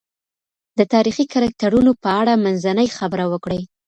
د تاریخي کرکټرونو په اړه منځنۍ خبره وکړئ.